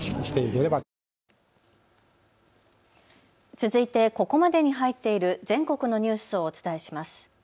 続いてここまでに入っている全国のニュースをお伝えします。